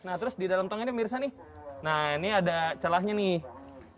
nah terus di dalam tong ini mirsa nih nah ini ada celahnya nih